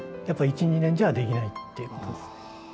やっぱ１２年じゃできないっていうことです。